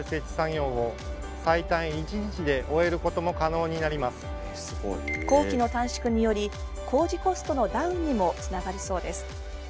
これにより工期の短縮により工事コストのダウンにもつながりそうです。